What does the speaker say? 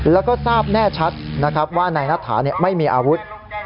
และก็ทราบแน่ชัดว่านายนัทฐาไม่มีอาวุธ